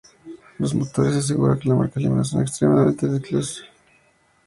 Los motores, asegura la marca Alemana, son extremadamente elásticos, incluso a bajas revoluciones.